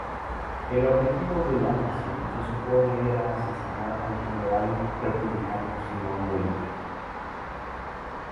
El objetivo de la misión se supone era asesinar al General Republicano Simón Bolívar.